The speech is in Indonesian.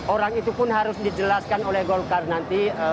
orang itu pun harus dijelaskan oleh golkar nanti